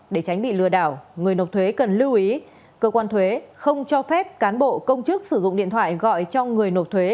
để tránh bị lừa đảo người nộp thuế cần lưu ý cơ quan thuế không cho phép cán bộ công chức sử dụng điện thoại gọi cho người nộp thuế